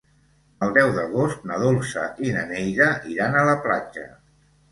El deu d'agost na Dolça i na Neida iran a la platja.